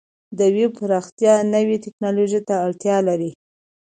د ویب پراختیا نوې ټکنالوژۍ ته اړتیا لري.